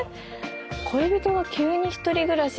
恋人が急に１人暮らし